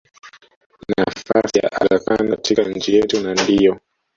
nafasi ya Aga Khan katika nchi yetu na ndiyo